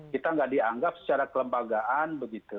kita tidak dianggap secara kelembagaan